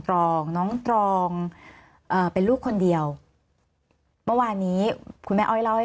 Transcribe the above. รองน้องตรองเอ่อเป็นลูกคนเดียวเมื่อวานนี้คุณแม่อ้อยเล่าให้